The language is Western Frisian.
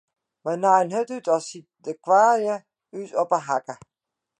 Wy naaiden hurd út as siet de kweade ús op 'e hakke.